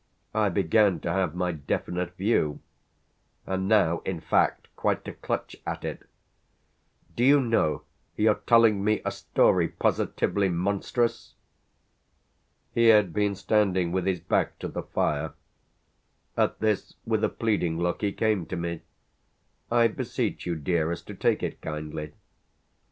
I began to have my definite view and now in fact quite to clutch at it. "Do you know you're telling me a story positively monstrous?" He had been standing with his back to the fire; at this, with a pleading look, he came to me. "I beseech you, dearest, to take it kindly."